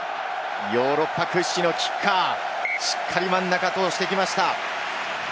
ヨーロッパ屈指のキッカー、しっかりと真ん中、通してきました。